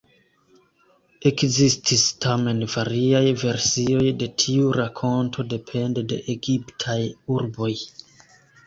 Ekzistis tamen variaj versioj de tiu rakonto depende de egiptaj urboj.